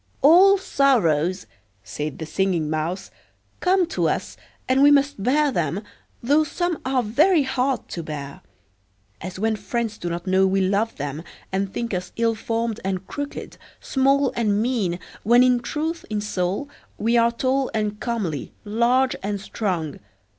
"All sorrows," said the Singing Mouse, "come to us, and we must bear them, though some are very hard to bear; as when friends do not know we love them, and think us ill formed and crooked, small and mean, when in truth in soul we are tall and comely, large and strong.